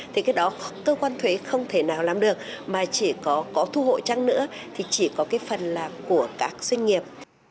thì cái đó cơ quan thuế không thể nào làm được mà chỉ có thu hội trăng nữa thì chỉ có cái phần là của các doanh nghiệp